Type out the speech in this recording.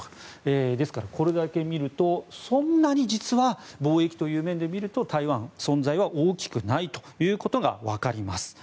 ですから、これだけ見るとそんなに実は貿易という面でみると台湾、存在は大きくないことが分かります。